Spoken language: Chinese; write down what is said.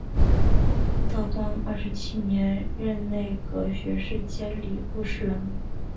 道光二十七年任内阁学士兼礼部侍郎。